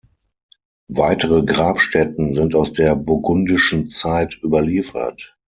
Weitere Grabstätten sind aus der burgundischen Zeit überliefert.